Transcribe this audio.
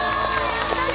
やったね！